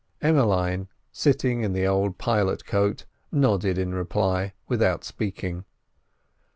Emmeline, sitting up in the old pilot coat, nodded in reply without speaking.